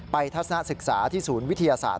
ทัศนศึกษาที่ศูนย์วิทยาศาสตร์